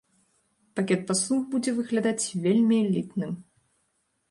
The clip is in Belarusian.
Пакет паслуг будзе выглядаць вельмі элітным.